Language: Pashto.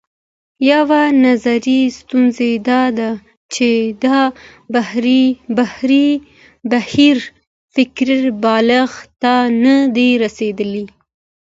یوه نظري ستونزه دا ده چې دا بهیر فکري بلوغ ته نه دی رسېدلی.